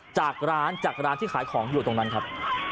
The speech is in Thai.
จากร้านที่ขาของอยู่ตรงนั้นครับ